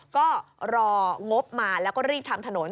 ก็รองบมาแล้วก็รีบทำถนน